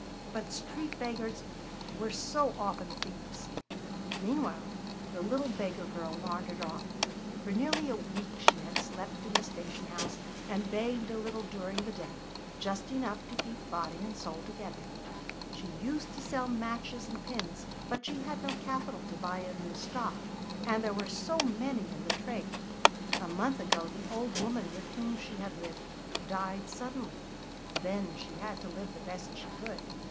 But street beggars were so often thieves! Meanwhile the little beggar girl wandered on. For nearly a week she had slept in the station house and begged a little during the day, just enough to keep body and soul together. She used to sell matches and pins, but she had no capital to buy a new stock, and there were so many in the trade. A month ago the old woman with whom she had lived died suddenly. Then she had to live the best she could.